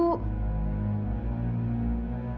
oh kak fadil